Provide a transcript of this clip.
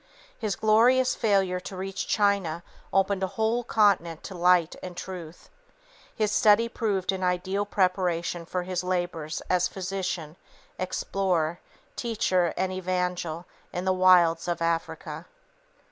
His glorious failure to reach China opened a whole continent to light and truth. His study proved an ideal preparation for his labors as physician, explorer, teacher and evangel in the wilds of Africa.